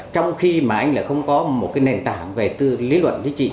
trong khi anh lại không có nền tảng về tư lý luận chính trị